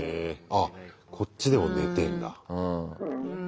あこっちでも寝てんだ。